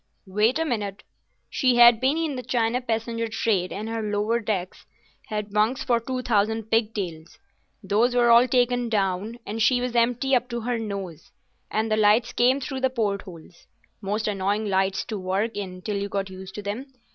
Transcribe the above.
"Wait a minute. She had been in the China passenger trade and her lower decks had bunks for two thousand pigtails. Those were all taken down, and she was empty up to her nose, and the lights came through the port holes—most annoying lights to work in till you got used to them.